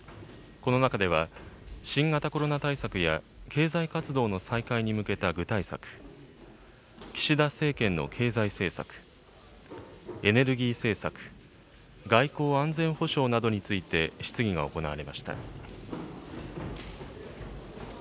この中では、新型コロナ対策や経済活動の再開に向けた具体策、岸田政権の経済政策、エネルギー政策、外交・安全保障などについて質疑が行われました。